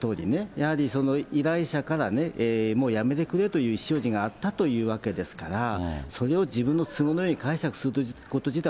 やはりその依頼者からね、もうやめてくれという意思表示があったというわけですから、それを自分の都合のいいように解釈するということ自体